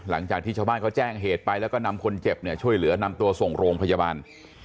หลังจากที่ชาวบ้านเขาแจ้งเหตุไปแล้วก็นำคนเจ็บเนี่ยช่วยเหลือนำตัวส่งโรงพยาบาล